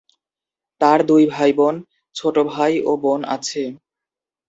তার দুই ভাইবোন, ছোট ভাই ও বোন আছে।